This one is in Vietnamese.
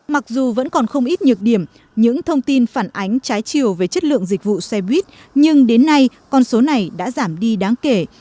mặc dù vẫn còn không ít nhược điểm những thông tin phản ánh trái chiều về chất lượng dịch vụ xe buýt nhưng đến nay con số này đã giảm đi đáng kể